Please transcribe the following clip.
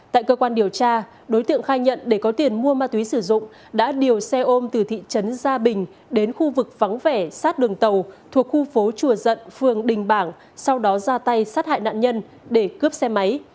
tại cơ quan điều tra đối tượng khai nhận để có tiền mua ma túy sử dụng đã điều xe ôm từ thị trấn gia bình đến khu vực vắng vẻ sát đường tàu thuộc khu phố chùa dận phường đình bảng sau đó ra tay sát hại nạn nhân để cướp xe máy